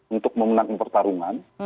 untuk memenangkan pertarungan